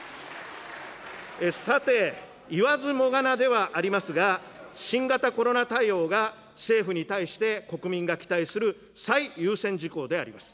さて、言わずもがなではありますが、新型コロナ対応が政府に対して国民が期待する最優先事項であります。